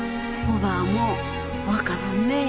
おばぁも分からんねえ。